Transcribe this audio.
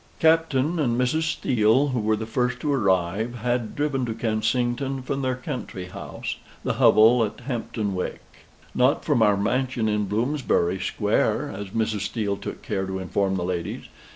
Captain and Mrs. Steele, who were the first to arrive, had driven to Kensington from their country house, the Hovel at Hampton Wick. "Not from our mansion in Bloomsbury Square," as Mrs. Steele took care to inform the ladies.